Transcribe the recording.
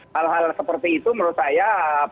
hal hal seperti itu menurut saya